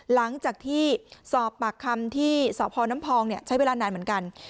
หลังจากที่สอบปากคำที่สพน้ำพองใช้เวลานานเหมือนกัน